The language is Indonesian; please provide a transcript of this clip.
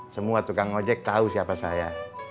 semua tukang ojek tahu siapa saya